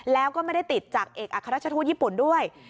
แล้วก็ไม่ได้ติดจากเอกอัครราชทูตญี่ปุ่นด้วย